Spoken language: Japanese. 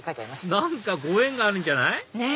何かご縁があるんじゃない？ねぇ！